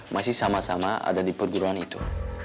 masih sama sama ada di perguruan itu